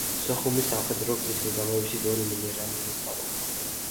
სოხუმის სამხედრო გზის მიდამოებში ბევრი მინერალური წყაროა.